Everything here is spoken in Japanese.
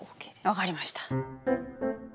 分かりました。